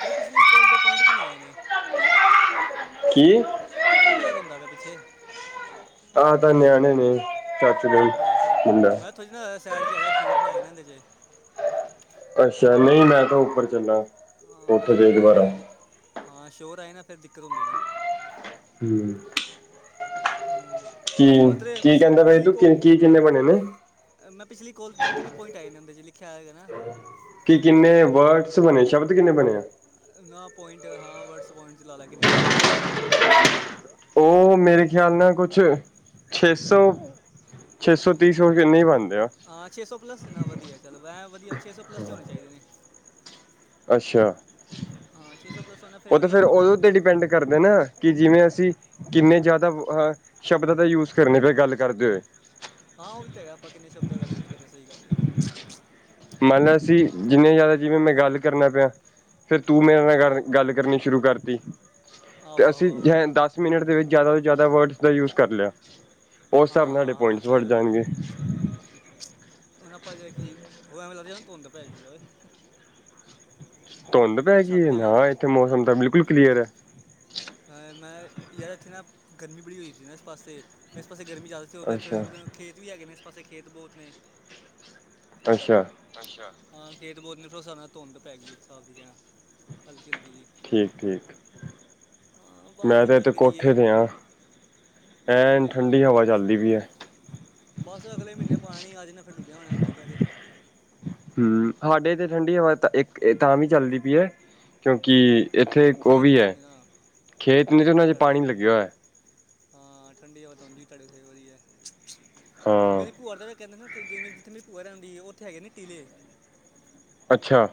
ਤੇਰੀ ਪਿਛਲੀ ਕੋਲ ਦੇ ਪੁਆਇੰਟ ਕਿੰਨੇ ਆਏ ਨੇ? ਕੀ? ਆ ਜਿਹੜਾ ਰੋਂਦਾ ਪਿਆ ਪਿੱਛੇ? ਆਹ ਤਾ ਨਿਆਣੇ ਨੇ ਚਾਚੂ ਦੇ ਬੜਾ ਸ਼ੋਰ, ਮੁੰਡਾ ਮੈਂ ਥੋੜ੍ਹੀ ਨਾ ਸਾਈਡ ਚ੍ਹ ਆਜਾ, ਸ਼ੋਰ ਨਾ ਆਏ ਨ ਇੰਦੇ ਚ। ਅੱਛਾ, ਨਹੀਂ ਮੈਂ ਤਾਂ ਹਾਂ, ਉੱਪਰ ਚੱਲਾਂ ਹਾਂ ਉੱਥ ਮੈਂ ਦੇ ਉੱਤੇ ਆ ਜਾ ਦੁਬਾਰਾ। ਮੈਂ ਜ- ਹਾਂ, ਸ਼ੋਰ ਆਏ ਨਾ ਫਿਰ ਦਿੱਕਤ ਹੁੰਦੀ ਨਾ। ਹੂੰ। ਹਾਂ, ਅਤਰ ਕੀ ਕਹਿੰਦਾ ਬਈ ਪਿਛਲੇ-ਪਿਛਲੀ ਤੂੰ ਕਿ ਕੋੌਲ ਕੀ ਕਿੰਨੇ ਬਣੇ ਨੇ ਮੈਂ ਪਿਛਲੀ ਕੋਲ ਤੇਰੇ ਕਿੰਨੇ ਪੁਆਇੰਟ ਆਏ ਨੇ, ਉਂਦੇ ਚ ਲਿਖਿਆ ਹੋਏਗਾ ਨਾ। ਕਿ ਕਿੰਨੇ ਵਰਡਸ ਬਣੇ, ਸ਼ਬਦ ਕਿੰਨੇ ਬਣੇ ਆ? ਨਾ ਪੁਆਇੰਟ ਹਾਂ ਵਡਜ਼ ਪੁਆਇੰਟ ਚ ਲਾ ਲੈ ਕਿੰਨੇ ਬਣੇ? ਉਹ ਮੇਰੇ ਖਿਆਲ ਨਾਲ ਕੁਛ ਛੇ ਸੌ ਛੇ ਸੌ ਤੀਸ [unintelligible] ਬਣਦੇ। ਆ ਹਾਂ, ਛੇ ਸੌ ਪਲੱਸ ਹੈ ਨਾ ਵਧੀਆ ਚੱਲੋ ਐ ਵਧੀਆ ਛੇ ਸੌ ਪਲੱਸ ਚ ਹੋਣੇ ਚਾਹੀਦੇ ਨੇ। ਅੱਛਾ? ਹਾਂ, ਛੇ ਸੌ ਪਲੱਸ ਦਾ ਫਿਰ ਉਹ ਤਾਂ ਵਧੀਆ ਪ੍ਰੋਫਿਟ ਉਹਦੇ ਉੱਤੇ ਮਿਲਦਾ। ਡਿਪੈਂਡ ਕਰਦੇ ਨਾ, ਕਿ ਜਿਵੇਂ ਅਸੀਂ ਕਿੰਨੇ ਜ਼ਿਆਦਾ ਅ ਸ਼ਬਦਾਂ ਦਾ ਯੂਜ ਕਰਨੇ ਪਏ ਗੱਲ ਕਰਦੇ ਹੋਏ। ਹਾਂ, ਉਹ ਵੀ ਤਾਂ ਹੈਗਾ ਆਪਾਂ ਕਿੰਨੇ ਸ਼ਬਦਾਂ ਗੱਲ ਯੂਜ ਕਰ ਰਹੇ ਸਹੀ ਗੱਲ ਏ। ਮੰਨ ਲਿਆ, ਅਸੀਂ ਜਿੰਨੇ ਜ਼ਿਆਦਾ ਜਿਵੇਂ ਮੈਂ ਗੱਲ ਕਰਨਾ ਪਿਆ ਫੇਰ ਤੂੰ ਮੇਰੇ ਹਾਂ ਨਾਲ ਹਾਂ ਗੱਲ ਕਰਨੀ ਸ਼ੁਰੂ ਕਰਤੀ। ਤੇ ਆਹੋ ਆਹੋ ਅਸੀਂ ਆਹੋ ਐ ਦਸ ਮਿੰਟ ਦੇ ਵਿੱਚ ਜ਼ਿਆਦਾ ਤੋਂ ਜ਼ਿਆਦਾ ਵਰਡਸ ਦਾ ਯੂਜ ਕਰ ਲਿਆ। ਉਸ ਹਾਂ ਹਿਸਾਬ ਨਾਲ ਤੁਹਾਡੇ ਹਾਂ ਹਾਂ ਪੁਆਇੰਟ ਸਹੀ ਬਣ ਗੱਲ ਹੈ ਜਾਣਗੇ। ਹੁਣ ਆਪਾਂ ਜਾਈਏ, ਓ, ਏ, ਐਵੇ ਲੱਗਦਾ ਧੁੰਦ ਪੈ ਗਈ ਓ, ਏ। ਧੁੰਦ ਪੈ ਗਈ ਛੱਤ ਹੈ ਆ, ਤੇ ਆਇਆ ਨਾ ਏਥੇ ਮੌਸਮ ਤਾਂ ਬਿਲਕੁਲ ਕਲੀਅਰ ਆ। ਅ, ਮੈਂ ਯਾਰ ਇੱਥੇ ਨਾ ਗਰਮੀ ਬੜੀ ਹੋਈ ਸੀ ਨਾ ਇਸ ਪਾਸੇ, ਇਸ ਪਾਸੇ ਗਰਮੀ ਜਾਦਾ ਤੇ ਫਿਰ ਅੱਛਾ ਏਥੇ ਖੇਤ ਵੀ ਹੈਗੇ ਨੇ, ਇਸ ਪਾਸੇ ਖੇਤ ਬੋਤ ਨੇ, ਅੱਛਾ। ਅੱਛ, ਹਾਂ ਖੇਤ ਬੋਤ ਨੇ ਫ਼ਿਰ ਉਸ ਹਿਸਾਬ ਨਾਲ ਧੁੰਦ ਪੈ ਗਈ, ਇਸ ਹਿਸਾਬ ਦੀ ਕਹਿਣਾ ਹਲਕੀ -ਹਲਕੀ ਜੀ। ਠੀਕ -ਠੀਕ ਹਾਂ ਬਸ ਮੈਂ ਤੇ ਕੀ ਏਥੇ ਕਰੀਏ ਕੋਠੇ ਤੇ ਆ। ਕੁੱਟ ਐਨ ਦੇ ਠੰਡੀ ਹਾਂ ਹਵਾ ਚੱਲਦੀ ਪਈ ਆ। ਬਸ ਅਗਲੇ ਮਹੀਨੇ ਪਾਣੀ ਆ ਜਾਨਾ, ਫਿਰ ਲੁਕੇਆ ਹੋਣਾ ਉੱਥੇ ਕਹਿਦੇ। ਹਮ ਸਾਡੇ ਤੇ ਠੰਡੀ ਹਵਾ ਤਾ ਇੱਕ-ਇੱਕ ਤਾਂ ਵੀ ਚੱਲਦੀ ਪਈ ਆ, ਹਾਂ ਕਿਉਂਕਿ ਇੱਥੇ ਇੱਕ ਉਹ ਖੇਤ ਵੀ ਐ, ਖੁਦ ਨੇ ਨਾ ਖੇਤ ਨੇ ਜਿਨਾ 'ਚ ਪਾਣੀ ਲੱਗੇਆ ਹੋਏਆ। ਹਾਂ ਠੰਡੀ ਹਵਾ ਤਾ ਉਂਜ ਈ ਤੁਹਾਡੇ ਫੇਰ ਵੱਧੀਆ, ਹਾਂ ਮੇਰੀ ਭੂਆ ਤਾ ਏ ਕਹਿੰਦੇ ਨੇ, ਜਿਵੇਂ ਜਿੱਥੇ ਮੇਰੀ ਭੂਆ ਰਹਿੰਦੇ ਈ, ਉਥੇ ਹੈਗੇ ਨੇ ਕਿਲੇ, ਅੱਛਾ।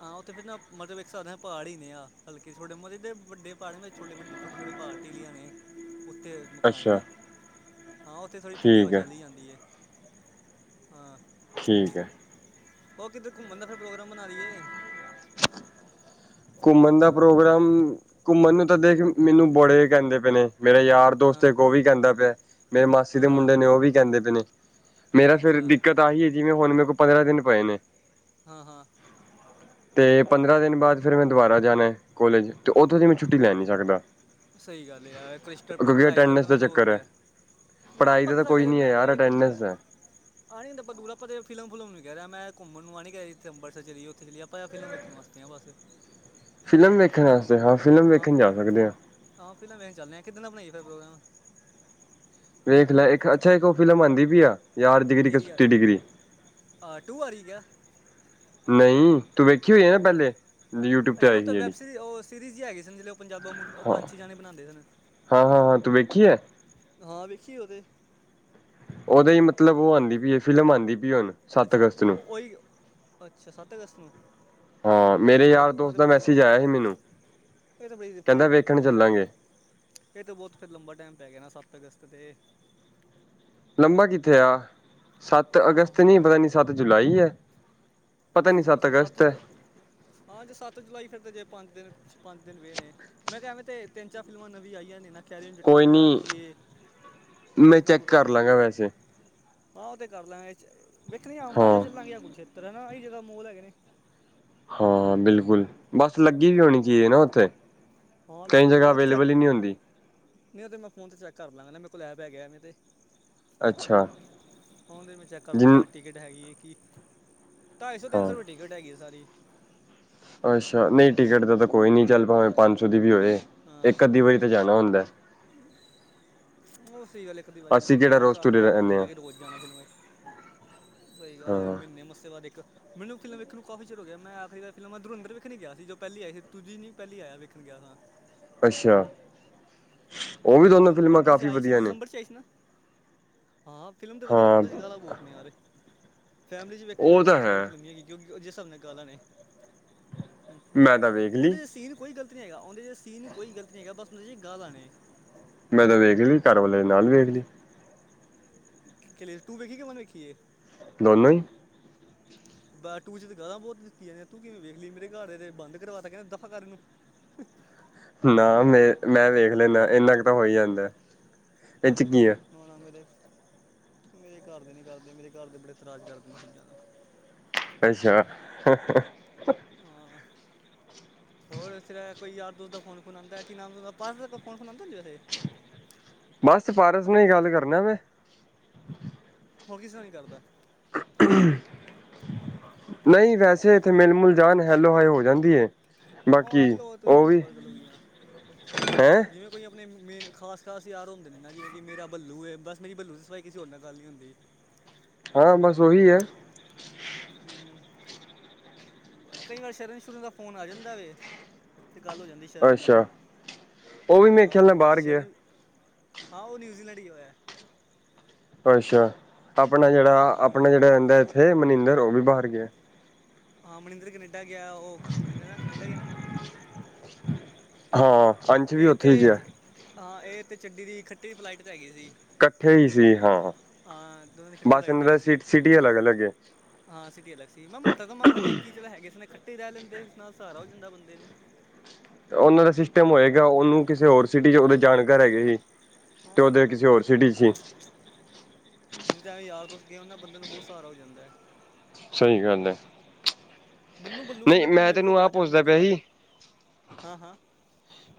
ਹਾਂ ਓਥੇ ਫੇਰ ਹਨਾ, ਮਤਲਬ ਇੱਕ ਹਿਸਾਬ ਨਾਲ ਪਹਾੜ ਹੀ ਇਨੇ ਆ, ਹਲਕੇ ਛੋਟੇ-ਮੋਟੇ ਜੇ-ਵੱਡੇ ਪਹਾੜ ਆ ਮੇਰੇ ਛੋਟੇ -ਵੱਡੇ, ਛੋਟੇ-ਛੋਟੇ। ਪਾਰਟੀ ਲਿਆਣੇ, ਉੱਥੇ ਮਕਾਣੇ ਆ ਅੱਛਾ ਨਾ, ਹਾਂ ਉੱਥੇ ਥੋੜ੍ਹੀ ਠੰਡੀ ਹਵਾ ਠੀਕ ਹੈ ਚੱਲ ਹੀ ਜਾਂਦੀ ਆ। ਹਾਂ ਠੀਕ ਐ। ਹੋਰ ਕੀਤੇ ਘੁੰਮਣ ਦਾ ਫਿਰ ਪ੍ਰੋਗਰਾਮ ਬਣਾ ਲਈਏ, ਘੁੰਮਣ ਦਾ ਪ੍ਰੋਗਰਾਮ, ਘੁੰਮਣ ਨੂੰ ਤਾਂ ਦੇਖ ਮੈਨੂੰ ਬੜੇ ਕਹਿੰਦੇ ਪਏ ਨੇ, ਮੇਰੇ ਯਾਰ, ਦੋਸਤ ਆ ਹਾਂ ਇੱਕ ਉਹ ਵੀ ਕਹਿੰਦਾ ਪਿਆ, ਮੇਰੀ ਮਾਸੀ ਦੇ ਹਾਂ ਮੁੰਡੇ ਨੇ ਹਾਂ ਉਹ ਵੀ ਕਹਿੰਦੇ ਪਏ ਨੇ, ਮੇਰਾ ਫੇਰ ਅੱਛਾ ਦਿੱਕਤ ਆਹੀ ਆ ਜਿਵੇਂ ਹੁਣ ਮੇਰੇ ਕੋਲ਼ ਪੰਦਰਾਂ ਦਿਨ ਪਏ ਨੇ, ਹਾਂ -ਹਾਂ ਤੇ ਪੰਦਰਾਂ ਦਿਨ ਬਾਅਦ ਫੇਰ ਮੈਂ ਦੁਬਾਰਾ ਜਾਣਾ। ਕੋਲੇਜ ਤੇ ਉੱਥੋਂ ਦੀ ਮੈਂ ਛੁੱਟੀ ਹਾਂ ਲੈ ਨਈ ਸਕਦਾ। ਸਹੀ ਗੱਲ ਏ ਯਾਰ, ਕਲਿਸਟਰ ਕਿਉਂਕਿ ਪੜ੍ਹਾਈ ਕਰ ਅਟੈਂਡੈਂਸ ਦੇਣਾ ਦਾ ਫਿਰ ਓ ਚੱਕਰ ਹੁੰਦਾ। ਹੈ ਮੈਂ ਪੜ੍ਹਾਈ ਆਪਾਂ ਦਾ ਤੇ ਤਾਂ ਕੋਈ ਸਾਡੇ ਨਹੀਂ ਹੈ ਮੈਂ ਯਾਰ ਤੇ ਕਿਹਿੰਨਾ ਅਟੈਂਡੈਂਸ ਦਾ ਆ ਨਹੀਂ ਹੁੰਦਾ ਆਪਾਂ ਦੂਰ ਆਪਾਂ ਘੁੰਮਣ ਨੂੰ ਆ ਨਹੀਂ ਕਹਿ ਰਿਹਾ ਇੱਥੇ ਅੰਮ੍ਰਿਤਸਰ ਚਲੀਏ ਉੱਥੇ ਚਲੀਏ ਆਪਾਂ ਫਿਲਮ ਵੇਖਣ ਵਾਸਤੇ ਆ ਬਸ ਫਿਲਮ ਵੇਖਣ ਵਾਸਤੇ ਹਾਂ ਫਿਲਮ ਹਾਂ ਵੇਖਣ ਫਿ- ਜਾ ਸਕਦੇ ਹਾਂ। ਹਾਂ ਫਿਲਮ ਵੇਖਣ ਚਲਦੇ ਆ, ਕਿੱਦਣ ਦਾ ਬਣਾਈਏ ਫੇਰ ਪ੍ਰੋਗਰਾਮ? ਵੇਖ ਲੈ, ਅੱਛਾ ਇੱਕ ਉਹ ਫਿਲਮ ਆਉਂਦੀ ਪਈ ਆ ਯਾਰ ਡਿਗਰੀ, ਕੇ ਲਈ ਕਸੁੱਤੀ ਡਿਗਰੀ। ਆ ਟੂ ਆ ਰਹੀ ਕਿਆ ਨਈ ਤੂੰ ਵੇਖੀ ਹੋਈ ਨਾ ਪਹਿਲੇ ਯੂਟਿਊਬ ਇਹ ਤੇ ਤਾਂ ਉਹ ਆਈ ਸੀ ਤਾਂ ਵੈਬ ਜਿਹੜੀ ਸੀਰੀ ਉਹ ਸੀਰੀਜ਼ ਹੀ ਹੈਗੀ ਸਨ ਜ ਪੰਜਾਬਾ ਮੁੰ ਉਹ ਹਾਂ ਪੰਜ ਛੇ ਜਾਣੇ ਬਣਾਂਦੇ ਸਨ, ਹਾਂ ਹਾਂ ਹਾਂ ਤੂੰ ਹੈ ਵੇਖੀ ਏ, ਹਾਂ ਵੇਖੀਏ ਉਹ ਤੇ। ਉਹਦਾ ਈ ਮਤਲਬ ਉਹ ਆਉਂਦੀ ਪਈ ਆ ਫਿਲਮ ਆਂਦੀ ਪਈ ਹੁਣ। ਸੱਤ ਅੱਛਾ ਅਗਸਤ ਨੂੰ ਉਹੀ, ਅੱਛਾ ਸੱਤ ਅਗਸਤ ਨੂੰ, ਹਾਂ, ਇਹ ਤਾਂ ਮੇਰੇ ਬੜਾ ਯਾਰ ਦੂ- ਆਹ ਦੋਸਤ ਤਾਂ ਦਾ ਬੜਾ ਮੈਸੇਜ ਆਇਆ ਸੀ ਮੈਨੂੰ। ਇਹ ਤਾਂ ਬੜੀ ਕਹਿੰਦਾ ਫੇਟ ਵੇਖਣ ਲ ਚੱਲਾਂਗੇ ਫੇਰ ਤਾਂ ਬਹੁਤ ਫੇਰ ਲੰਬਾ ਟਾਈਮ ਪੈ ਗਿਆ ਨਾ ਸੱਤ ਅਗਸਤ ਤੇ, ਲੰਬਾ ਕਿੱਥੇ ਆ, ਸੱਤ ਅਗਸਤ ਵਾਹ ਨੀ, ਪਤਾ ਨੀ ਸੱਤ ਜੁਲਾਈ ਆ। ਪਤਾ ਨੀ, ਅੱਛਾ ਸੱਤ ਸੀ ਅਗਸਤ ਜੁਲਾਈ ਹਾਂ ਜੇ ਸੱਤ ਜੁਲਾਈ, ਫਿਰ ਤਾਂ ਜੇ ਪੰਜ ਦਿਨ, ਪੰਜ ਦਿਨ ਪਏ ਨੇ। ਮੈਂ ਕਿਹਾਵੇਂ ਤੇ, ਤਿੰਨ ਚਾਰ ਫਿਲਮਾਂ ਨਵੀਂ ਆਈਆਂ ਨੇ ਨਾ ਕੈਰੀਨ ਚਿੱਟਾ ਕੋਈ ਵੀ ਆ ਗ, ਨੀ ਇਹ ਮੈਂ ਵੈਲਕਮ ਚੈੱਕ ਟੂ ਦ ਕਰ ਜੰਗਲ ਵੀ ਲਾਂਗਾ ਆਈ। ਵੈਸੇ ਆਹ ਉਹ ਤੇ ਕਰ ਲਾਂਗੇ, ਵੇਖਦੇ ਆ ਅੰਬਾਲੇ ਹਾਂ ਚੱਲਾਂਗੇ ਜਾਂ ਕੁਲ ਛੇਤਰ, ਇਹਹੀ ਜਗ੍ਹਾ ਮੋਲ ਹੈਗੇ ਨੇ। ਹਾਂ ਬਿਲਕੁਲ, ਬਸ ਲੱਗੀ ਵੀ ਹੋਣੀ ਚਾਹੀਜ਼ ਨਾ ਉੱਥੇ। ਹਾਂ ਕਈ ਲੱਗੀ ਤਾਂ ਜਗ੍ਹਾ, ਉੱਥੇ ਚੈੱਕ ਅਵੇਲੇਬਲ ਹੀ ਨਹੀਂੀ ਹੁੰਦੀ। ਨਹੀਂ ਉਹ ਤੇ ਮੈਂ ਫੋਨ ਤੇ ਚੈੱਕ ਕਰ ਲਾਂਗਾ, ਮਰੇਲੈਬ ਐਪ ਹੈ ਗਿਆਵੇ ਤੇ ਅੱਛਾ ਹ ਤੇ ਮੈਂ ਚੈੱਕ ਕਰ ਜਿਨ ਲਾਂਗਾ। ਟਿਕਟ ਹੈਗੀ ਹੈ ਕਿ, ਢਾਈ ਸੌ ਤਿੰਨ ਹਾਂ ਸੌ ਰੁਪਏ ਟਿਕਟ ਹੈਗੀ ਹੈ ਸਾਰੀ। ਅੱਛਾ, ਨਹੀਂ ਟਿਕਟ ਦਾ ਤਾਂ ਕੋਈ ਨਹੀਂ, ਚੱਲ ਭਾਵੇਂ ਪੰਜ ਸੌ ਦੀ ਵੀ ਹੋਵੇ, ਇੱਕ ਅੱਧੀ ਵਾਰੀ ਤਾਂ ਜਾਣਾ ਹੁੰਦਾ। ਹਮ। ਉਹ ਸਹੀ ਗੱਲ ਇੱਕ ਦੁ ਵਾਰੀ ਜਾਣਾ ਅਸੀਂ ਕਿਹੜਾ ਹੁੰਦਾ ਅ, ਰੋਜ਼ ਤੁਰੇ ਆਪਣਾ ਕੰਮ ਸੁ ਰਹਿੰਦੇ ਹਾਂ ਕਿ ਰੋਜ਼ ਜਾਣਾ ਫਿਲਮਾਂ ਵਿੱਚ ਸਹੀ ਗੱਲ, ਹਾਂ ਮਹੀਨੇ ਮੱਸੇ ਬਾਦ ਇੱਕ ਮੈਨੂੰ ਫਿਲਮ ਵੇਖਣ ਕਾਫ਼ੀ ਚਿਰ ਹੋ ਗਿਆ, ਮੈਂ ਆਖਰੀਾਰ ਫਿਲਮ ਅਧਰ ਧੁੰਰੰਦਰ ਵੇਖਣ ਗਿਆ ਸੀ। ਜੋ ਪਹਿਲੀ ਆਈ ਸੀ, ਤੁੂਂ ਨੀ ਪਹਿਲੀ ਆਇਆੇਖਣ ਗਿਆ ਸੀ। ਅੱਛਾ। ਉਹ ਵੀ 'ਜ ਦੋਨੋਂ ਦੁੂਰੰਧਰ 'ਨ ਫਿਲਮਾਂ ਨਹੀਂ, ਕਾਫੀ ਆਈਸੀ ਵਧੀਆ ਨੇ ਦਸੰਬਰ 'ਚ ਆਈ ਸੀ ਨਾ? ਹਾਂ ਫਿਲਮ ਤਾਂ ਵਧੀਆ ਨੇ, ਹਾਂ ਪਰਦਾ ਸੀ ਗਾਲਾਂ ਬਹੁਤ ਨੇ ਯਾਰ ਫੈਮਿਲੀ 'ਚ ਵੇਖਿਆ ਉਹ ਤਾਂ ਵੇਖਣ ਹੈ ਵਾਲੀ ਫਿਲਮ ਨਹੀਂ ਹੈਗੀ, ਕਿਉਂਕਿ ਉਸਜੇ ਹਿਸਾਬ ਨਾਲ ਗਾਲਾਂ ਨੇ। ਮੈਂ ਤਾਂ ਵੇਖ ਲਈ ਉਹਦੇ 'ਚ ਸੀਨ ਕੋਈ ਗ਼ਲਤ ਨਹੀਂ ਹੈਗਾ, ਉਹਦੇ 'ਚ ਸੀਨ ਕੋਈ ਗਲਤੀਤ ਨਹੀਂ ਹੈਗਾ, ਬਸ ਉਹਦੇ 'ਚ ਗਾਲ੍ਹਾਂ ਮੈਂ ਤਾਂ ਵੇਖਲੀ, ਘਰ ਵਾਲਾਲੇ ਦੇ ਨਾਲ ਵੇਖਲੀ ਚਲੀਏ ਟੂ ਵੇਖੀ, ਕਿਵੇ ਵਨ ਦੇਖੀ ਏ? ਦੋਨੋਂਂ ਬੈਟੂ 'ਚ ਤੇ ਗੱਲਾਂ ਬਹੁਤ ਦਿੱਤੀਆਂ ਨੇ, ਤੂੰ ਕਿਵੇਂ ਵੇਖ ਲਈ, ਮੇਰੇ ਘਰ ਦੇ ਤੇ ਬੰਦ ਕਰਵਾਤਾ, ਕਹਿੰਦੇ ਦਫ਼ਾਕਾਰਨ ਨੂੰ ਹ ਨਾ ਮੇ ਮੈਂ ਵੇਖ ਲੈਂਦਾ, ਇੰਨਾ ਕੁ ਤਾਂ ਹੋਈ ਜਾਂਦਾ, ਇਹ 'ਚ ਕੀ ਹੈ। ਨਾ ਨਾ, ਮੇਰੇ ਮੇਰੇ ਘਰ ਦੇ ਨੀ ਕਰਦੇ, ਮੇਰੇਰ ਦੇ ਬੜੇ ਤਰਾਜ ਕਰਦੇ ਨੇ ਚੀਜ਼ਾਂ ਤੋਂ ਅੱਛਾ। ਹਾਂ। ਹੋਰ ਫੇਰ ਕੋਈ ਯਾਰ ਦੋਸ ਦਾ ਫੋਨੋਨ ਆਂਦਾ, ਨਾਮ ਹੁੰਦਾ ਪਾਰਸ ਫੋ ਫੋਨਉਂਦਾੁੰ ਵੈਸੇ ਬਸ, ਪਾਰਸ ਨਾਲ ਗੱਲ ਕਰਨਾ ਮੈਂ ਹਣ ਕਿਸ, ਤਰ੍ਹਾਂ ਨ ਕਰਦਾ? ਨਹੀਂ ਵੈਸੇ ਇੱਥੇ ਮਿਲ ਮੁਲ ਜਾਣ, ਹੈਲੋ ਹਏ ਹੋ ਜਾਂਦੀ ਹੈ ਉਹ ਹੈ ਬਾਕੀ ਲੋ, ਤ ਉਹ ਨੋ ਵੀ ਮਲ ਗਈਆਂ ਹੈਂ ਜਿਵੇਂ ਕੋਈ ਆਪਣੇ ਮੇਨ ਖਾਸ, ਖਾਸ ਯਾਰ ਹੁੰਦੇ ਨੇ ਨਾ ਜਿਵੇਂ ਕਿ ਮੇਰਾ ਬੱਲੂ ਹੈ, ਬਸ ਮੇਰੀ ਬੱਲੂ ਦੀ ਸਫਾਈ, ਕਿਸੇ ਹੋਰ ਨਾਲ ਗੱਲ ਨਹੀਂ ਹੁੰਦੀ। ਹਾਂ, ਬਸ ਉਹੀ ਹੈ। ਹਮ। ਕਈ ਵਾਰ ਸ਼ਰਨ ਸ਼ੁਰਨ ਦਾ ਫੋਨ ਆ ਜਾਂਦਾ ਵ, ਤੇ ਗੱਲ ਹੋ ਜਾਂਦੀ ਸ਼ਰਨ ਨਾਲ, ਅੱਛਾ ਉਹ ਵੀ ਮੇਰੇ ਖਿਆਲ ਨਾਲ ਹਾਂ ਬਾਹਰ ਗਿਆ ਸ਼ਰਨ, ਹਾਂ ਉਹ ਨਿਊਜ਼ੀਲੈਂਡ ਗਿਆ ਹੋਇਆ। ਅੱਛਾ, ਆਪਣਾ ਜਿਹੜਾ, ਹਾਂ ਆਪਣਾ ਜਿਹੜਾ ਰਹਿੰਦਾ ਇੱਥੇ ਮਨਿੰਦਰ, ਉਹ ਵੀ ਬਾਹਰ ਗਿਆ। ਹਾਂ ਮਨਿੰਦਰ ਕਨੇਡਾ ਗਿਆ, ਉਹ ਮਨਿੰਦਰ ਨਾ ਕਨੇਡਾ ਗਿਆ ਨਾ? ਹਾਂ। ਅੰਸ਼ ਵੀ ਇਹ ਉੱਥੇ ਤੇ, ਹੀ ਗਿਆ ਹਾਂ ਇਹ ਤੇ ਚੱਡੀ ਦੀ ਖੱਟੀ ਦੀ ਫਲਾਈਟ ਤਾਂ ਹੈਗੀ ਸੀ। ਇਕੱਠੇ ਹੀ ਸੀ, ਹਾਂ ਹਾਂ ਦੋਨਾਂ ਦੀ ਖੱਟੀ ਬਸ ਫਲਾਈਟ ਇਹਨਾਂ 'ਤੇ ਦਾ ਹੈਗੀ ਸੀ ਸਿਟੀ ਅਲੱਗ ਅਲੱਗ ਨੇ। ਹਾਂ ਸਿਟੀ ਅਲੱਗ ਸੀ ਮੈਂ ਮੋਟੇ ਦਿਮਾਗ ਦੇ ਇੱਕ ਹੀ ਚ ਹੈਗੇ ਸੀ ਨੇ ਇਖੱਟੇ ਰਹਿ ਲੈਂਦੇ ਨਾਲ ਸਹਾਰ ਹੋ ਜਾਂਦਾ ਬੰਦੇ ਨੂੰ ਉਹਨਾਂ ਦਾ ਸਿਸਟਮ ਹੋਏਗਾ ਉਹਨੂੰ ਕਿਸੇ ਹੋਰ ਸਿਟੀ ਚ ਉਹਦੇ ਜਾਣਕਾਰ ਹੈਗੇ ਸੀ। ਤੇ ਹਾਂ ਵੀ ਉਹਦੇ ਗੱਲ ਹੋ ਕਿਸੇ ਹੋਰ ਸਕਦੀ ਸਿਟੀ ਯਾਰ ਚ ਸੀ। ਨਹੀਂ ਤਾਂ ਐਵੇਂ ਯਾਰ ਦੋਸਤ ਗਏ ਹੋ ਨਾ ਬੰਦੇ ਨੂੰ ਬਹੁਤ ਸਹਾਰਾ ਹੋ ਜਾਂਦਾ ਹੈ। ਸਹੀ ਗੱਲ ਹੈ। ਮੈਨੂੰ ਬੱਲੂ ਨਹੀਂ ਕਹਿੰਦਾ ਤੂੰ ਮੈਂ ਮੇਰੇ ਤੈਨੂੰ ਕੋਲ ਆ ਆਹ ਜਾ ਮੇਰੇ ਪੁੱਛਦਾ ਕੋਲ ਪਿਆ ਆ ਜਾ। ਸੀ ਹਾਂ- ਹਾਂ।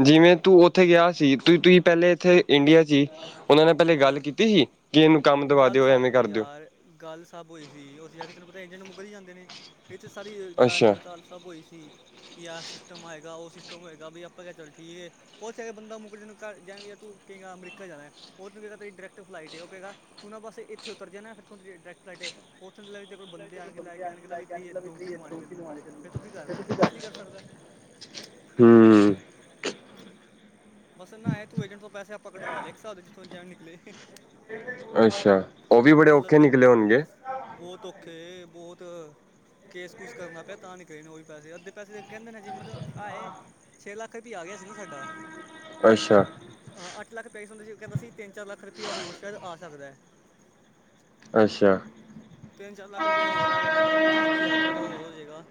ਜਿਵੇਂ ਤੂੰ ਉੱਥੇ ਗਿਆ ਸੀ ਤੁਸੀਂ ਪਹਿਲੇ ਇਥੇ ਇੰਡੀਆ ਸੀ ਉਹਨਾਂ ਨੇ ਪਹਿਲੇ ਗੱਲ ਹਾਂ ਕੀਤੀ ਸੀ। ਕਿਨੂੰ ਗੱਲ ਸ ਯਾਰ ਗੱਲ ਸਭ ਹੋਈ ਸੀ ਉਹ ਸੀ ਜਾ ਕੇ ਤੈਨੂੰ ਪਤਾ ਇੰਡੀਅਨ ਮੁੱਕਰ ਜਾਂਦੇ ਨੇ ਇੱਥੇ ਸਾਰੀ ਜਾਂਚ ਅੱਛਾ ਪੜਤਾਲ ਸਭ ਹੋਈ ਸੀ ਕਿ ਆਹ ਸਿਸਟਮ ਆਏਗਾ ਉਹ ਸਿਸਟਮ ਹੋਏਗਾ ਵੀ ਆਪਾਂ ਕ ਚੱਲ ਠੀਕ ਹੈ। ਉਥੇ ਬੰਦਾ ਮੁੱਕਰ ਕੇ ਜੇਨਾ ਘਰ ਜਾ ਵੀ ਤੂੰ ਕਹੇਗਾ ਅਮਰੀਕਾ ਜਾਣਾ ਉਹ ਤੂੰ ਹਗਾ ਤੇਰੀ ਡਾਇੈਕਟ ਫਲਾਈਟ ਉਹ ਕਹਗਾ ਤੂੰ ਨਾ ਬਸ ਇੱਥੇ ਉਤਰ ਜਾਣਾ ਫਿਰ ਤੂੰ ਡਾਇੈਕਟ ਫਲੈਟ ਹੈ। ਉੱਥੇ ਲ ਵੀ ਤੇਰੇ ਕੋਲ ਬੰਦੇ ਆਣ ਕੇ ਲੈ ਕੇ ਆਣਕੇ ਲੇਹ ਵੀ ਤੇਰੀ ਦੋਕੀ ਲਵਾਉਣੀ ਤੈਨੂੰ ਫੇਰ ਤੂੰ ਕੀ ਕਰ ਪਾਏਗਾ ਕੁਛ ਨਹੀਂ ਕਰ ਸਕਦਾ। ਹਮ ਬਸ ਨਾ ਹੈ ਤੂੰ ਏਜੰਟ ਤੋਂ ਪੈਸੇ ਆਪਾਂ ਕਢਵਾ ਲੈ ਸਕਦੇ ਜਿੱਥੋਂ ਜਾ ਨਿਕਲੇ ਅੱਛਾ ਉਹ ਵੀ ਬੜੇ ਔਖੇ ਚਲਦੇ ਨੇ ਨਿਕਲੇ ਹੋਣਗੇ ਬਹੁਤ ਔਖੇ ਬਹੁਤ ਕੇਸ ਕੁਸ ਕਰਨਾ ਪਿਆ ਤਾਂ ਨੀ ਕਰੇ ਉਹ ਵੀ ਪੈਸੇ ਅੱਧੇ ਪੈਸੇ ਕਹਿੰਦੇ ਨੇ ਜੇ ਮਤਲਬ ਆਏ ਛੇ ਲੱਖ ਰੁਪਇਆ ਆ ਗਿਆ ਸੀ ਨਾ ਸਾਡਾ ਅੱਛਾ। ਹਾਂ ਅੱਠ ਲੱਖ ਪੈਸ ਹੁੰਦੇ ਸੀ ਕਹਿੰਦਾ ਸੀ ਤਿੰਨ ਚਾਰ ਲੱਖ ਰੁਪਇਆ ਹੋਰ ਸ਼ਾਇਦ ਆ ਸਕਦਾ ਹੈ। ਅੱਛਾ। ਤਿੰਨ ਚਾਰ ਲੱਖ ਰੁਪਏ ਹੋਰ ਆ ਗਿਆ ਚੱਲ ਵੀ ਵਧੀਆ ਥੋੜ੍ਹਾ ਜਿਹਾ ਹੋਰ ਹੋ ਜਾਏਗਾ।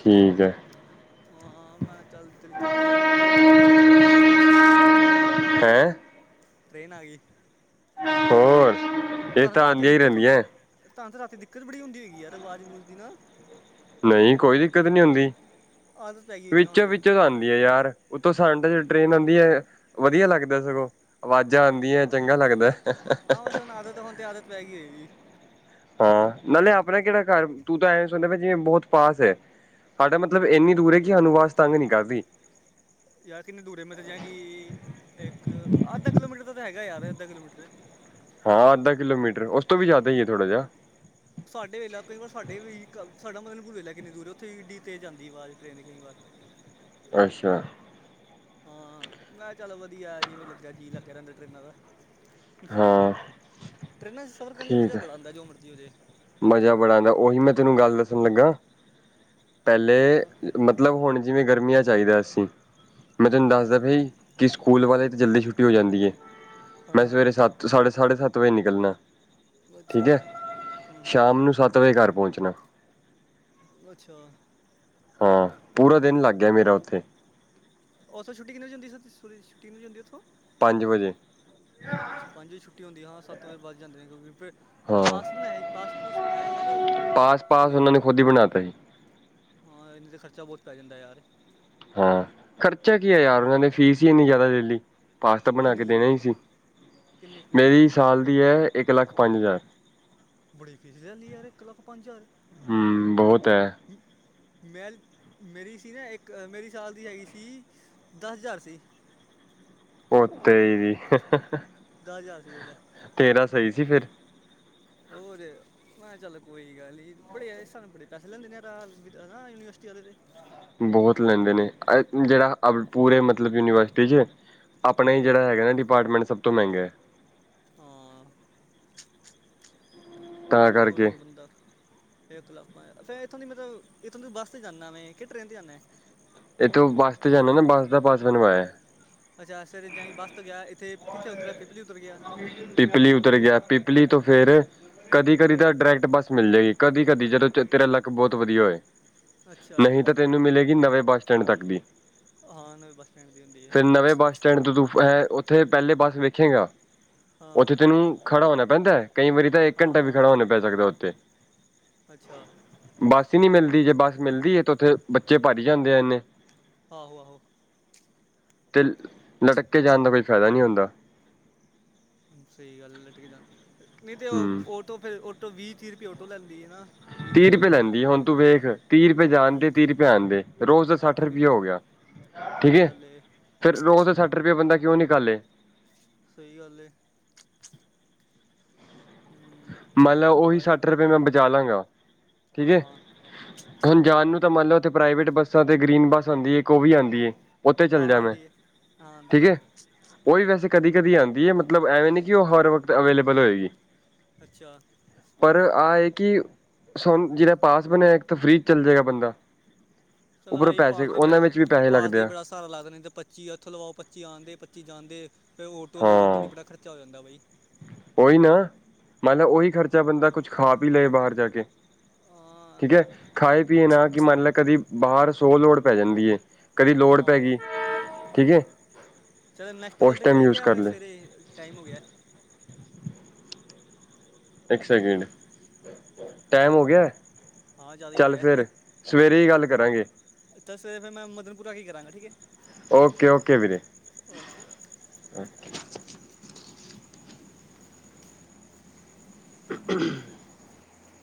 ਠੀਕ ਹੈ। ਹਾਂ ਮੈਂ ਕਿਹਾ ਚੱਲ ਚੱਲਦੀ ਟਨ ਟ੍ਰੇਨ ਆ ਗਈ ਟ੍ਰੇਨ ਹੈਂ! ਟ੍ਰੇਨ ਆਗੀ। ਹੋਰ ਇਹ ਤਾਂ ਤੁਹਾਨੂੰ ਰਾਤੀ ਆਉਂਦੀਆਂ ਹੀ ਦਿੱਕਤ ਹੁੰ ਰਹਿੰਦੀਆਂ ਤੁਹਾਨੂੰ ਰਾਤੀ ਦਿੱਕਤ ਬੜੀ ਹੁੰਦੀ ਹੈਗੀ ਯਾਰ ਆਵਾਜ਼ ਆਵੁਜ਼ ਦੀ ਨਾ ਨਹੀਂ ਕੋਈ ਦਿੱਕਤ ਨੀ ਹੁੰਦੀ ਆਦਤ ਪੈ ਗਈ ਹੈਗੀ ਨਾ ਹੁਣ ਵਿੱਚੋਂ ਤੇ ਵਿੱਚ ਤਾਂ ਆਉਂਦੀ ਆ ਯਾਰ ਉਤੋਂ ਸੁੰਡੇ ਟ੍ਰੇਨ ਆਉਂਦੀ ਹੈ ਵਧੀਆ ਲੱਗਦਾ ਸਗੋਂ ਆਵਾਜ਼ਾਂ ਆਉਂਦੀਆਂ ਚੰਗਾ ਲੱਗਦਾ ਹਾਂ ਬਸ ਹੁਣ ਆਦਤ ਹੁਣ ਤੇ ਆਦਤ ਪੈ ਗਈ ਹੈ ਜੀ ਹਾਂ ਨਾਲੇ ਆਪਣਾ ਕਿਹੜਾ ਘਰ ਤੂੰ ਤਾਂ ਐਵੇਂ ਸੁਣਿਆ ਜਿਵੇਂ ਬਹੁਤ ਪਾਸ ਹੈ ਸਾਡਾ ਮਤਲਬ ਇੰਨੀ ਦੂਰ ਹੈ ਕਿ ਸਾਨੂੰ ਆਵਾਜ ਤੰਗ ਨੀ ਕਰਦੀ। ਯਾਰ ਕਿੰਨੇ ਦੂਰ ਮਤਲਬ ਜਾਂ ਕਿ ਇੱਕ ਅੱਧਾ ਕਿਲੋਮੀਟਰ ਦਾ ਤਾਂ ਹੈਗਾ ਯਾਰ ਅੱਧਾ ਕਿਲੋਮੀਟਰ ਹਾਂ ਅੱਧਾ ਕਿਲੋਮੀਟਰ ਉਸ ਤੋਂ ਵੀ ਜ਼ਿਆਦਾ ਹੀ ਹੈ ਥੋੜਾ ਜਿਹਾ ਸਾਡੇ ਵੇਲਾ ਕਈ ਵਾਰ ਸਾਡੇ ਵੀ ਸਾਡਾ ਮਦਨਪੁਰ ਵੇਲਾ ਕਿੰਨੀ ਦੂਰ ਉੱਥੇ ਇੱਡੀ ਤੇ ਜਾਂਦੀ ਆਵਾਜ਼ ਟ੍ਰੇਨ ਕਈ ਵਾਰ ਅੱਛਾ। ਹਾਂ ਮੈਂ ਚੱਲ ਵਧੀਆ ਜਿਵੇਂ ਲੱਗਾ ਜੀਅ ਲੱਗ ਰਹਿੰਦਾ ਟਰੇਨਾਂ ਦਾ ਹਾਂ ਟਰੇਨਾਂ 'ਚ ਸਫ਼ਰ ਕਰਨ 'ਚ ਠੀਕ ਮਜ਼ਾ ਹੈ ਬੜਾ ਆਉਂਦਾ ਜੋ ਮਰਜ਼ੀ ਹੋ ਜਾ ਮਜ਼ਾ ਬੜਾ ਆਉਂਦਾ ਉਹੀ ਮੈਂ ਤੈਨੂੰ ਗੱਲ ਦੱਸਣ ਲੱਗਾ ਪਹਿਲੇ ਹਾਂ ਮਤਲਬ ਹੁਣ ਜਿਵੇਂ ਗਰਮੀਆਂ ਚਾਹੀਦਾ ਅਸੀਂ ਮੈਂ ਹੂੰ ਤੁਹਾਨੂੰ ਹੂੰ ਦੱਸਦਾ ਭਾਈ ਕਿ ਸਕੂਲ ਵਾਲੇ ਹੂੰ ਤਾਂ ਜਲਦੀ ਛੁੱਟੀ ਹੋ ਜਾਂਦੀ ਹੈ ਹਾਂ ਮੈਂ ਹਾਂ ਸਵੇਰੇ ਸੱਤ ਤੂੰ ਸਾਢੇ ਸਾਢੇ ਸੱਤ ਵਜੇ ਨਿਕਲਣਾ। ਅੱਛਾ। ਠੀਕ ਹੈ ਹੂੰ ਹੂੰ ਸ਼ਾਮ ਨੂੰ ਸੱਤ ਵਜੇ ਘਰ ਪੌਂਚਨਾ। ਅੱਛਾ। ਹਾਂ, ਪੂਰਾ ਦਿਨ ਲੱਗ ਗਿਆ ਮੇਰਾ ਓਥੇ। ਓਥੋਂ ਛੁੱਟੀ ਕਿੰਨੇ ਵਜੇ ਹੁੰਦੀ [unintelligible] ਛੁੱਟੀ ਕਿੰਨੇ ਵਜੇ ਹੁੰਦੀ ਓਥੋਂ। ਪੰਜ ਵਜੇ। ਅੱਛਾ ਪੰਜ ਵਜੇ ਛੱਟੀ ਹੁੰਦੀ, ਹਾਂ ਸੱਤ ਵਜ ਵੱਜ ਈ ਜਾਂਦੇ ਕਿਉਂਕਿ ਫੇਰ ਹਾਂ ਪਾਸ ਬਨਾਇਆ ਈ ਪਾਸ ਪੁਸ ਬਨਾਇਆ ਹੋਏਗਾ ਕੇ ਕਿਵ ਪਾਸ ਪਾਸ ਕਿਵੇਂ ਉਹਨਾਂ ਨੇ ਖੁਦ ਹੀ ਬਣਾ ਤਾ ਸੀ ਹਾਂ ਏਨੇ ਤੇ ਖਰਚਾ ਬੋਤ ਪੈ ਜਾਂਦੈ ਯਾਰ। ਹਾਂ ਖਰਚਾ ਕੀ ਏ ਯਾਰ ਓਨਾਂ ਨੇ ਫੀਸ ਈ ਇੰਨੀ ਜਾਦਾ ਲੈ ਲੀ। ਪਾਸ ਤਾ ਬਣਾ ਕਿੰਨੀ ਕੇ ਲੈ ਦੇਣਾ ਲਈ ਈ ਸੀ, ਕਿੰਨੀ ਫੀਸ ਮੇਰੀ ਸਾਲ ਦੀ ਐ ਇੱਕ ਲੱਖ ਪੰਜ ਹਜ਼ਾਰ। ਬੜੀ ਫੀਸ ਲੈ ਲੀ ਯਾਰ ਇੱਕ ਲੱਖ ਪੰਜ ਹਜ਼ਾਰ। ਹਮ ਬਹੁਤ ਹੈ ਮੈਂ ਮੇਰੀ ਸੀ ਨਾ ਇੱਕ ਮੇਰੀ ਸਾਲ ਦੀ ਹੈਗੀ ਸੀ ਦਸ ਹਜ਼ਾਰ ਸੀ। ਓ ਤੇਰੇ ਦੀ। ਦਸ ਹਜ਼ਾਰ ਸੀ ਵੇਖ ਤੇਰਾ ਸਹੀ ਸੀ ਲੈ, ਫਿਰ ਔਰ ਮੈਂ ਕਯਾ ਚੱਲ ਕੋਈ ਗੱਲ ਨੀ, ਬੜੇ ਇਸ ਹਿਸਾਬ ਨਾਲ ਬੜੇ ਪੈਸੇ ਲੈਂਦੇ ਨੇ ਐ ਤਾਂ ਹੈ ਨਾ ਯੂਨੀਵਰਸਿਟੀ ਵਾਲੇ ਤੇ। ਬੋਹਤ ਲੈਂਦੇ ਨੇ, [unintelligible] ਜੇੜਾ ਪੂਰੇ ਮਤਲਬ ਯੂਨੀਵਰਸਿਟੀ 'ਚ ਆਪਣਾ ਹੀ ਹਾਂ ਜੇੜਾ ਹੈਗਾ ਨਾ ਡਿਪਾਰਟਮੈਂਟ ਸਭ ਤੋਂ ਮਹਿੰਗਾ ਐ। ਹਾਂ, ਤਾਂ ਚਲੋ ਕੋਈ ਕਰਕੇ ਨੀ ਬੰਦਾ ਇੱਕ ਲੱਖ ਪੰਜ ਫਿਰ ਏਥੋਂ ਦੀ ਮਤਲਬ ਏਥੋਂ ਦੀ ਤੂੰ ਬੱਸ 'ਤੇ ਜਾਨਾਂ ਵੇਂ ਕਿ ਟਰੇਨ 'ਤੇ ਜਾਨਾਂ ਐ? ਏਥੋਂ ਬੱਸ ਤੇ ਜਾਂਨੇ ਨਾ, ਬੱਸ ਦਾ ਪਾਸ ਬਨਵਾਇਆ। ਅੱਛਾ ਸਵੇਰੇ ਜਾਈ ਬੱਸ ਤੋਂ ਗਿਆ ਏਥੇ ਕਿੱਥੇ ਉਤਰਿਆ ਪੀਪਲੀ ਉਤਰ ਗਿਆ। ਪੀਪਲੀ ਉਤਰ ਗਿਆ, ਪੀਪਲੀ ਤੋਂ ਫੇਰ ਕਦੀ ਕਦੀ ਤਾਂ ਡਾਇਰੈਕਟ ਬੱਸ ਮਿਲ ਜੇਗੀ, ਕਦੀ ਕਦੀ ਜਦੋਂ ਤੇਰਾ ਲੱਕ ਬੋਤ ਵਧੀਆ ਹੋਏ। ਅੱਛਾ ਨਹੀਂ ਤਾਂ ਤੈਨੂੰ ਮਿਲੇਗੀ ਨਵੇਂ ਬੱਸ ਸਟੈਂਡ ਤੱਕ ਦੀ। ਹਾਂ ਨਵੇਂ ਬੱਸ ਸਟੈਂਡ ਦੀ ਹੁੰਦੀ ਏ। ਫਿਰ ਨਵੇਂ ਬੱਸ ਸਟੈਂਡ ਤੋਂ ਤੂੰ ਐ ਓਥੇ ਪੈਲੇ ਬੱਸ ਵੇਖੇਗਾਂ। ਹਾਂ ਓਥੇ ਤੈਨੂੰ ਖੜਾ ਹੋਣਾ ਪੈਂਦਾ, ਕਈ ਵਾਰੀ ਤਾਂ ਇੱਕ ਹਾਂ ਘੰਟਾ ਵੀ ਹਾਂ, ਖੜਾ ਹੋਣਾ ਪੈ ਸਕਦਾ ਓਥੇ। ਅੱਛਾ। ਬੱਸ ਈ ਨੀ ਮਿਲਦੀ ਜੇ ਬੱਸ ਮਿਲਦੀ ਏ ਤੇ ਓਥੇ ਬੱਚੇ ਭਰੀ ਜਾਂਦੇ ਇਨੇ। ਆਹੋ ਆਹੋ। ਅਤੇ ਲਟਕ ਕੇ ਜਾਨ ਦਾ ਕੋਈ ਫੈਦਾ ਨੀ ਹੁੰਦਾ। ਸਈ ਗੱਲ ਲਟਕੇ ਜਾਨ ਨਈ ਤੇ ਓ ਹੂੰ ਓਟੋ ਫਿਰ ਓਟੋ ਵੀਹ ਤੀਹ ਰੁਪਏ ਓਟੋ ਲੈਂਦੀ ਏ ਨਾ। ਵੀਹ ਤੀਹ ਦਾ ਰੁਪਏ ਆਟੋ ਲੈ ਲੈਂਦੀ ਲੈਂਦਾ ਹੁਨ ਤੂੰ ਵੇਖ ਤੀਹ ਰੁਪਏ ਜਾਨ ਹੂੰ ਦੇ ਤੀਹ ਰੁਪਏ ਆਨ ਦੇ ਰੋਜ਼ ਤਾਂ ਸੱਠ ਰੁਪਇਆ ਹੋ ਗਿਆ। ਠੀਕ ਸਈ ਹੈ ਗੱਲ ਏ। ਫਿਰ ਰੋਜ਼ ਡਾ ਸੱਠ ਰੁਪਏ ਬੰਦਾ ਕਿਉਂ ਨਿਕਾਲੇ। ਸਈ ਗੱਲ ਏ। ਹੂੰ ਮੰਨ ਲੈ ਓਹੀ ਭਾਈ ਸੱਠ ਰੁਪਏ ਮੈਂ ਬਚਾ ਲਾਂਗਾ ਠੀਕ ਹਾਂ ਏ। ਹਾਂ ਹੁਨ ਜਾਨ ਨੂੰ ਤਾਂ ਮੰਨ ਲੈ ਓਥੇ ਪ੍ਰਾਈਵੇਟ ਬੱਸਾਂ ਤੇ ਗ੍ਰੀਨ ਬੱਸ ਆਂਦੀ ਐ ਇੱਕ ਓ ਵੀ ਆਂਦੀ ਐ। ਓ ਤੇ ਚੱਲ ਆਹੋ ਜਾ ਮੈਂ ਆਉਂਦੀ ਹੈ ਹਾਂ ਠੀਕ ਆਉਂਦੀ ਹੈ ਏ। ਓ ਵੀ ਵੈਸੇ ਕਦੀ ਕਦੀ ਆਂਦੀ ਏ ਮਤਲਬ ਐਵੇਂ ਨਈ ਕਿ ਓ ਹਰ ਵਕਤ ਅਵੇਲੇਬਲ ਹੋਏਗੀ। ਅੱਛਾ। ਪਰ ਆਹ ਏ ਕਿ ਸੋਨ ਜੇੜਾ ਪਾਸ ਬਨਿਆ ਇੱਕ ਤੇ ਫ੍ਰਰੀ ਚ ਚੱਲ ਜੇਗਾ ਬੰਦਾ। ਚੱਲ ਆਹ ਉੱਪਰੋਂ ਹੀ ਪਾਸ ਦੇ ਉਹਨਾਂ ਪੈਸੇ, ਵਿੱਚ ਵੀ ਪਾਸ ਦਾ ਲੱਗਦੇ ਵੀ ਆ ਬੜਾ ਸਹਾਰਾ ਲਾਗਦੇਿੰਦੇ, ਪੱਚੀ ਹੱਥ ਲਵਾਓ, ਪੱਚੀ ਆਉਂਦੇ, ਪੱਚੀ ਜਾਂਦੇ, ਫਿਰ ਆਟੋ ਲਓ, ਅੱਗੇ ਦੀ ਹਾਂ ਬੜਾ ਖਰਚਾ ਹੋ ਜਾਂਦਾ ਬਾਈ। ਉਹੀ ਨਾ, ਮੰਨ ਲ ਉਹੀ ਖਰਚਾ ਬੰਦਾ, ਕੁੱਛ ਖਾ ਪੀ ਲਏ ਬਾਹਰ ਜਾ ਕੇ ਹਾਂ ਠੀਕ ਹੈ, ਖਾ ਪੀਏ ਨਾ ਕਿ ਮੰਨ ਲੈ, ਕਦੀ ਬਾਹਰ ਸੌ ਲੋੜ ਪੈ ਜਾਂਦੀ ਹੈ ਕਦੀ ਲੋੜ ਹਾਂ ਪੈ ਹਾਂ ਗਈ, ਠੀਕ ਹੈ, ਚਲੋ ਨੈਕਸਟ ਉਸ ਕਾਲ ਤੇ ਟਾਈਮ ਕਰੀਏ ਯੂਜ ਕਿ ਕਰ ਹੁਣੇ ਲਏ। ਸਵੇਰੇ ਟਾਈਮ ਹੋ ਗਿਆ। ਇੱਕ ਸੈਕਿੰਡ, ਟਾਈਮ ਹੋ ਗਿਆ? ਹਾਂ ਜ਼ਿਆਦਾ ਹੀ ਹੋ ਚੱਲ ਗਿਆ ਹੈ। ਫੇਰ, ਸਵੇਰੇ ਹੀ ਗੱਲ ਕਰਾਂਗੇ। ਤਾਂ ਫ ਫਿਰ ਮੈਂ, ਮਦਨਪੁਰਾ ਕੀ ਕਰਾਂਗਾ, ਠੀਕ ਹੈ। ਓਕੇ ਓਕੇ, ਵੀਰੇ। Okay, okay. ਹ